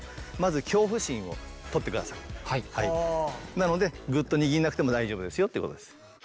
なのでグッと握んなくても大丈夫ですよってことです。